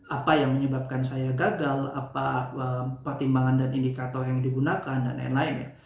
apa yang menyebabkan saya gagal apa pertimbangan dan indikator yang digunakan dan lain lain ya